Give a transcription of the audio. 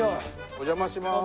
お邪魔します。